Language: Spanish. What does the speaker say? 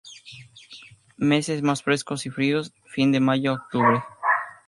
Meses más frescos y fríos: fin de mayo a octubre.